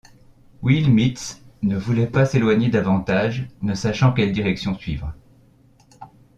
Will Mitz ne voulait pas s’éloigner davantage, ne sachant quelle direction suivre.